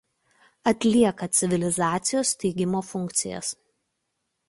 Atlieka civilizacijos steigimo funkcijas.